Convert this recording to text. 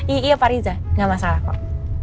iya iya pak riza gak masalah kak